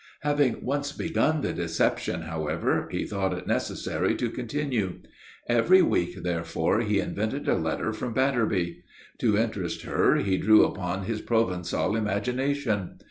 Having once begun the deception, however, he thought it necessary to continue. Every week, therefore, he invented a letter from Batterby. To interest her he drew upon his Provençal imagination.